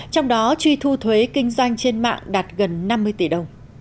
trong đó truy thu thuế kinh doanh trên mạng đạt gần năm mươi tỷ đồng